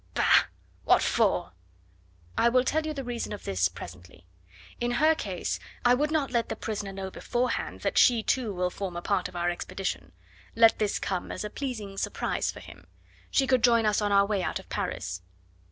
Bah! What for?" "I will tell you the reason of this presently. In her case I should not let the prisoner know beforehand that she too will form a part of our expedition. Let this come as a pleasing surprise for him. She could join us on our way out of Paris."